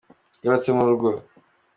Yagarutse mu rugo